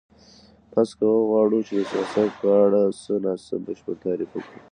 پس که وغواړو چی د سیاست په اړه څه نا څه بشپړ تعریف وکړو